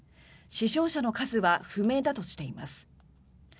死傷者の数は不明だとしています。